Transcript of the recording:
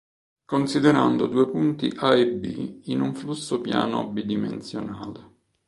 Considerando due punti A e B in un flusso piano bidimensionale.